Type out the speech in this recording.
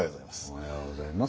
おはようございます。